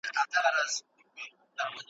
که ښځې کور پاک کړي نو دوړه به نه وي پاتې.